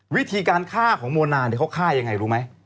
วิธีการฆ่าของโมนาเขาฆ่ายังไงรู้ไหม